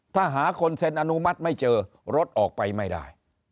ถ้าหาคนเซ็นอนุมัติไม่เจอรถออกไปไม่ได้